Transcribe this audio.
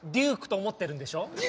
ＤＵＫＥと思ってるんでしょ？